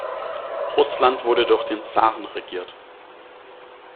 Russland wurde durch den Zaren regiert.